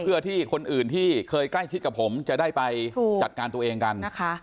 เพื่อที่คนอื่นที่เคยใกล้ชิดกับผมจะได้ไปจัดการตัวเองกันนะคะ